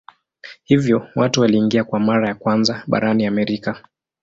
Hivyo watu waliingia kwa mara ya kwanza barani Amerika.